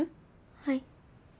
はい。